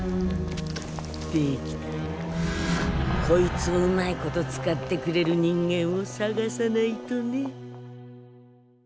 こいつをうまいこと使ってくれる人間を探さないとね。